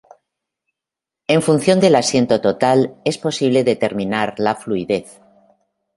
En función del asiento total, es posible determinar la fluidez.